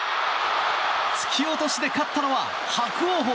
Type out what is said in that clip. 突き落としで勝ったのは伯桜鵬！